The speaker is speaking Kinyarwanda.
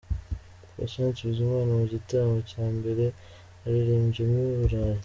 Patient Bizimana mu gitaramo cya mbere aririmbyemo i Burayi.